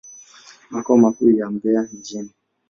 Makao makuu yapo Mbeya mjini.